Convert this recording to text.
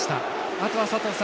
あとは佐藤さん